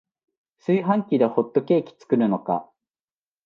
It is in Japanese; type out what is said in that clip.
炊飯器でホットケーキ作るのか